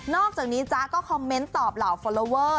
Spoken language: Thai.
อกจากนี้จ๊ะก็คอมเมนต์ตอบเหล่าฟอลลอเวอร์